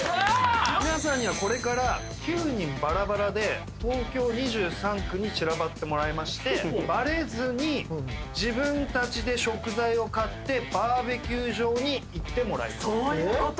みなさんにはこれから９人バラバラで東京２３区に散らばってもらいましてバレずに自分たちで食材を買ってＢＢＱ場に行ってもらいますそういうこと？